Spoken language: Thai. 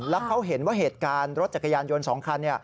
แล้วเขาเห็นว่าเหตุการณ์รถจักรยานยนต์๒คัน